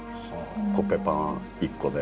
コッペパン１個で。